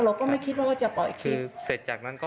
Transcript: เราก็ไม่คิดว่าจะปล่อยคลิป